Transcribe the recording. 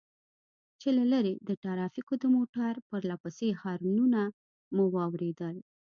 چې له لرې د ټرافيکو د موټر پرله پسې هارنونه مو واورېدل.